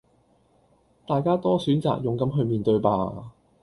大家多選擇勇敢去面對吧！